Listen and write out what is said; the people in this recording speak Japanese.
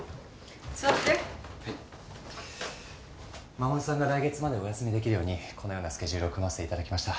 衛さんが来月までお休みできるようにこのようなスケジュールを組ませていただきました。